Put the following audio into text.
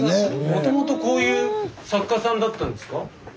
もともとこういう作家さんだったんですか？